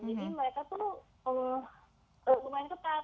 jadi mereka tuh lumayan cepat